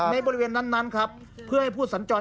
บริเวณนั้นครับเพื่อให้ผู้สัญจร